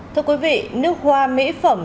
thưa quý vị nước hoa mỹ phẩm